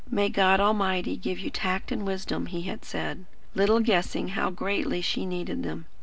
"May God Almighty give you tact and wisdom," he had said, little guessing how greatly she needed them.